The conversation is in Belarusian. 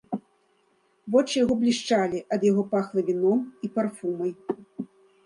Вочы яго блішчалі, ад яго пахла віном і парфумай.